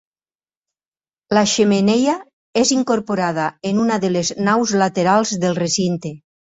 La xemeneia és incorporada en una de les naus laterals del recinte.